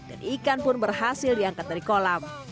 dan ikan pun berhasil diangkat dari kolam